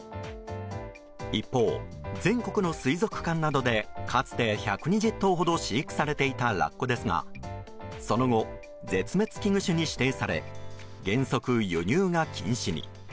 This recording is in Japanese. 一方、全国の水族館などでかつて１２０頭ほど飼育されていたラッコですがその後、絶滅危惧種に指定され原則、輸入が禁止に。